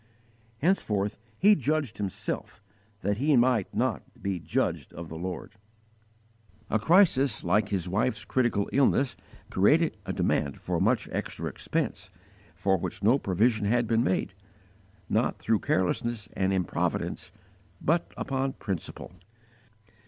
Henceforth he judged himself, that he might not be "judged of the Lord." (1 Cor. xi. 31.) A crisis like his wife's critical illness created a demand for much extra expense, for which no provision had been made, not through carelessness and improvidence, but upon principle.